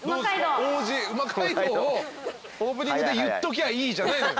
「うま街道！」をオープニングで言っときゃいいじゃないのよ。